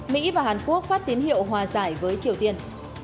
mỹ và hàn quốc phát tín hiệu hòa giải với triều tiên